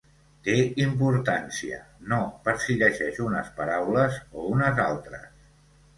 Té importància no per si llegeix unes paraules o unes altres.